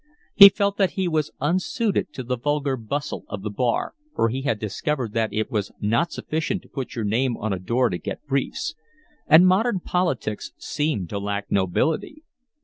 He felt that he was unsuited to the vulgar bustle of the Bar, for he had discovered that it was not sufficient to put your name on a door to get briefs; and modern politics seemed to lack nobility.